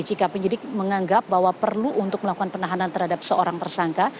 jika penyidik menganggap bahwa perlu untuk melakukan penahanan terhadap seorang tersangka